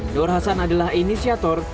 nur hasan adalah inisiator